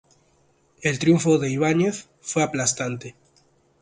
El triunfo de Ibáñez fue aplastante.